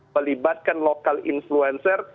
melibatkan lokal influencer